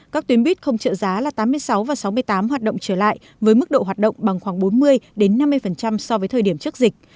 các tuyến buýt không trợ giá là tám mươi sáu và sáu mươi tám hoạt động trở lại với mức độ hoạt động bằng khoảng bốn mươi năm mươi so với thời điểm trước dịch